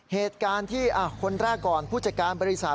เหตุการณ์ที่คนแรกก่อนผู้จัดการบริษัท